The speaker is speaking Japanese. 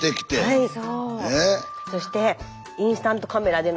はい。